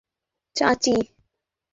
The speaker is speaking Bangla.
আমাকে ডেকেছেন, চাচি?